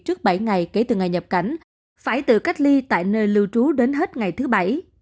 trước bảy ngày kể từ ngày nhập cảnh phải tự cách ly tại nơi lưu trú đến hết ngày thứ bảy